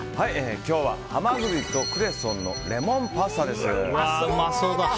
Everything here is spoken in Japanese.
今日はハマグリとクレソンのレモンパスタです。